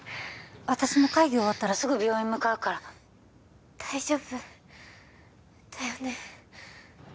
私も会議終わったらすぐ病院向かうから大丈夫だよね？